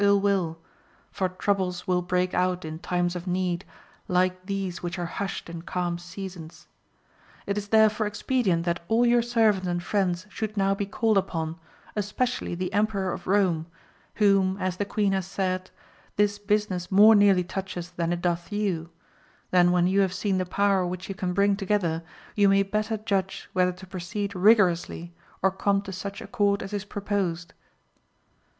ill will, for troubles will break out in times of need like these which are hushed in calm seasons. It is AMADIS OF GAUL. 117 therefore expedient that all your servants and friends should now be called upon, especially the Emperor of Eome, whom as the queen hath said, this business more nearly touches than it doth you ; then when you have seen the power which you can bring together you may better judge whether to proceed rigorously, or come to such accord as is proposed.